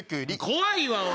怖いわ！